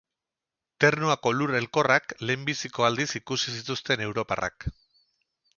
Ternuako lur elkorrak lehenbiziko aldiz ikusi zituzten europarrak.